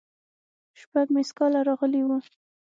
شپږ ميسکاله راغلي وو.